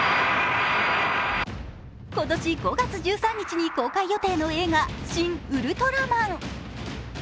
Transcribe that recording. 今年５月１３日に公開予定の映画、「シン・ウルトラマン」。